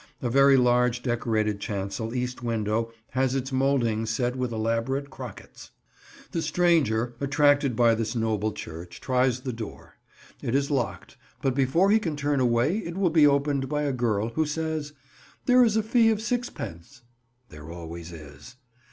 A very large Decorated chancel east window has its moulding set with elaborate crockets. The stranger, attracted by this noble church, tries the door. It is locked, but before he can turn away it will be opened by a girl, who says, "There is a fee of sixpence." There always is!